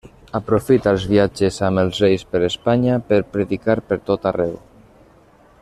Aprofita els viatges amb els Reis per Espanya per predicar per tot arreu.